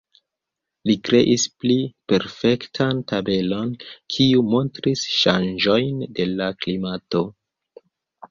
Li kreis pli perfektan tabelon, kiu montris ŝanĝojn de la klimato.